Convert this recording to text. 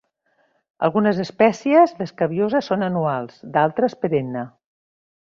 Algunes espècies d'"escabiosa" són anuals; d'altres, perennes.